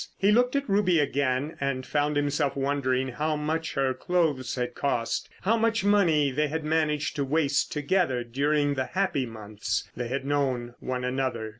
He looked at Ruby again and found himself wondering how much her clothes had cost, how much money they had managed to waste together during the happy months they had known one another.